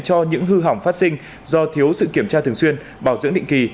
cho những hư hỏng phát sinh do thiếu sự kiểm tra thường xuyên bảo dưỡng định kỳ